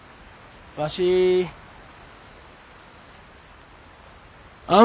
わしあん